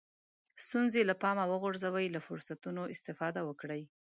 ستونزې له پامه وغورځوئ له فرصتونو استفاده وکړئ.